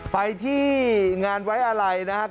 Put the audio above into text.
ไปที่งานไว้อะไรนะครับ